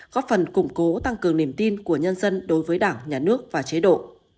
góp phần củng cố tăng cường niềm tin của nhân dân đối với đảng nhà nước và chế độ